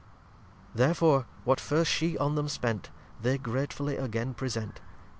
lxxxviii Therefore what first She on them spent, They gratefully again present.